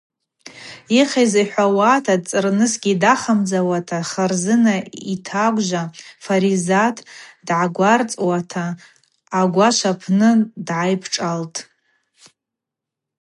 Йыхьыз йхӏвата дцӏырнысгьи дахамдзауата, Харзына йтагвжва Фаризат дгӏагварцӏуата агвашв апны дгӏайпшӏалтӏ.